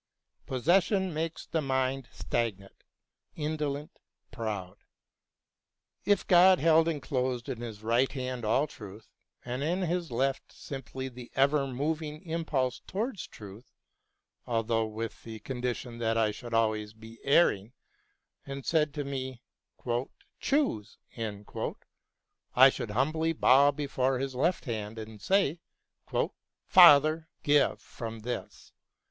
Possession makes the mind stagnant, indolent, proud. If God BROWNING AND LESSING 241 held enclosed in His right hand all Truth, and in His left simply the ever moving impulse towards Truth, although with the con dition that I should always be erring, and said to me :" Choose !" I should humbly bow before His left hand and say, " Father, give from this.